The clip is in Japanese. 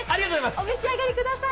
お召し上がりください！